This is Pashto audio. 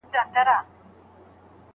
نوښت مو په ژوند کي بدلون راولي.